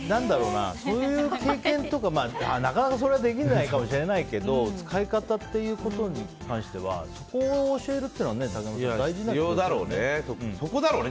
そういう経験とかなかなかできないかもしれないけど使い方ということに関してはそこを教えるっていうのは必要だろうね。